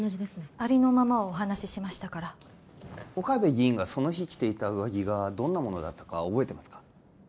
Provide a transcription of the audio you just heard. ありのままをお話ししましたから岡部議員がその日着ていた上着がどんなものだったか覚えてますか？